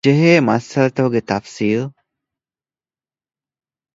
ންޖެހޭ މަސައްކަތުގެ ތަފްޞީލް